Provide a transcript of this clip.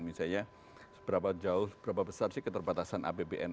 misalnya seberapa jauh seberapa besar sih keterbatasan apbn